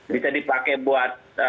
bisa dipakai buat